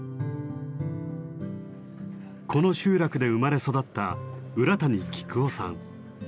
この集落で生まれ育った浦谷喜久男さん。